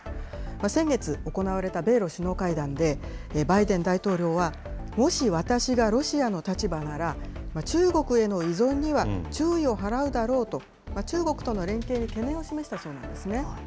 先月行われた米ロ首脳会談で、バイデン大統領は、もし私がロシアの立場なら、中国への依存には注意を払うだろうと、中国との連携に懸念を示したそうなんですね。